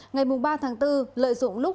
ngày ba tháng bốn lợi dụng lúc